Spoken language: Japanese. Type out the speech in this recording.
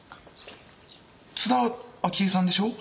津田明江さんでしょう？